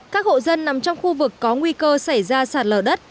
các hộ dân nằm trong khu vực có nguy cơ xảy ra sạt lở đất